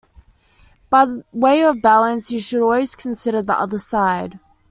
By way of balance you should always consider the other side.